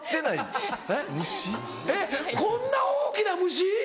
こんな大きな虫⁉